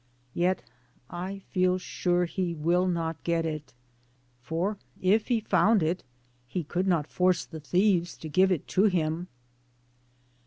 Yet I feel sure he will not get it. For if he found it he could not force the thieves to give it to him.